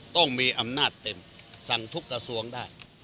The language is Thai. ต้องมีอำนาจเต็มสั่งทุกกระทรวงได้